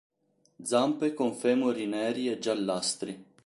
Zampe con femori neri o giallastri.